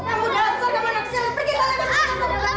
kamu dah asal sama anak tidur